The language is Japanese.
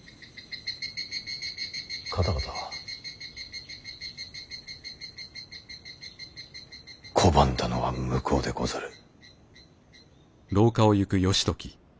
方々拒んだのは向こうでござる。